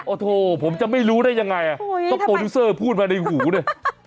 โอ้โธ่ผมจะไม่รู้ได้ยังไงต้องโตรูเซอร์พูดมาในหูนี่